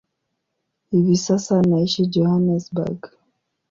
Hivi sasa anaishi Johannesburg.